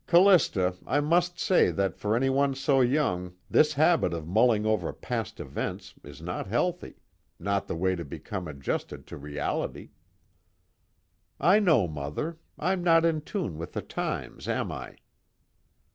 "Callista, I must say that for anyone so young this habit of mulling over past events is not healthy, not the way to become adjusted to reality." "I know, Mother. I'm not in tune with the times, am I?"